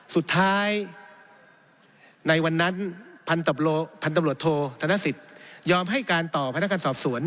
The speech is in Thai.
สุดท้ายในวันนั้นพันธุรโทษธนศิษฐ์ยอมให้การต่อพนักการณ์สอบสวน